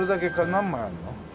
何枚あるの？